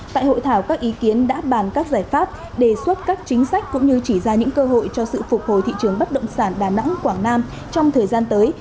tại hội thảo các ý kiến đã bàn các giải pháp đề xuất các chính sách cũng như chỉ ra những cơ hội cho sự phục hồi thị trường bất động sản đà nẵng quảng nam trong thời gian tới